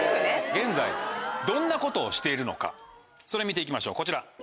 現在どんなことをしているのかそれ見て行きましょうこちら。